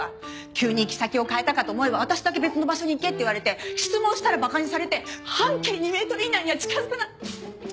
急に行き先を変えたかと思えば私だけ別の場所に行けって言われて質問したら馬鹿にされて半径２メートル以内には近づくな。